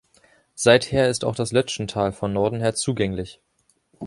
Seither ist auch das Lötschental von Norden her zugänglich.